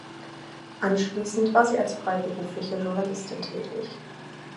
Anschließend war sie als freiberufliche Journalistin tätig.